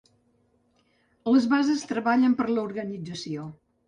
Les bases treballen per a l’organització.